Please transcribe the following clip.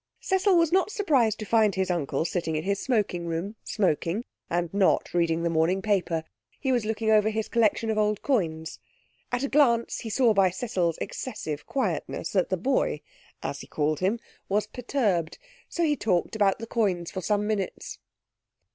Cecil was not surprised to find his uncle sitting in his smoking room, smoking, and not reading the morning paper. He was looking over his collection of old coins. At a glance he saw by Cecil's excessive quietness that the boy, as he called him, was perturbed, so he talked about the coins for some minutes.